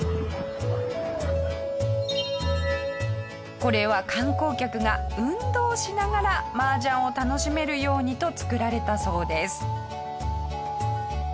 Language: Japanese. これは観光客が運動しながら麻雀を楽しめるようにと作られたそうです。